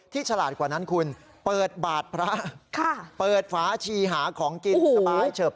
ฉลาดกว่านั้นคุณเปิดบาทพระเปิดฝาชีหาของกินสบายเฉิบ